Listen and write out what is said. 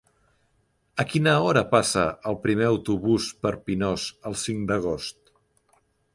A quina hora passa el primer autobús per Pinós el cinc d'agost?